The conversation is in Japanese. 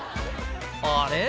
あれ？